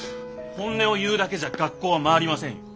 本音を言うだけじゃ学校は回りませんよ。